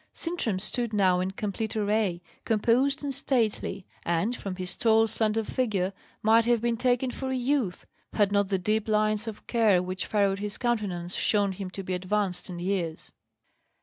Sintram stood now in complete array, composed and stately, and, from his tall slender figure, might have been taken for a youth, had not the deep lines of care which furrowed his countenance shown him to be advanced in years.